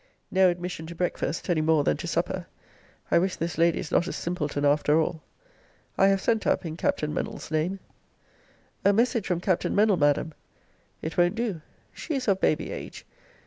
No admission to breakfast, any more than to supper. I wish this lady is not a simpleton, after all. I have sent up in Captain Mennell's name. A message from Captain Mennell, Madam. It won't do. She is of baby age.